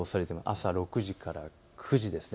朝６時から９時です。